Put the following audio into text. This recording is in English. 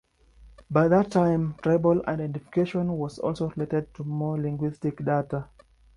By that time, tribal identification was also related to more linguistic data.